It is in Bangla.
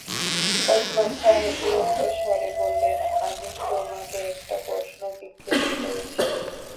ওসমান সাহেব বিরক্ত স্বরে বললেন, আমি তোমাকে একটা প্রশ্ন জিজ্ঞেস করেছি।